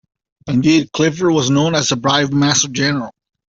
Indeed, Clifford was known as 'the Bribe Master General'.